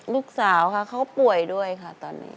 ลูกสาวค่ะเขาป่วยด้วยค่ะตอนนี้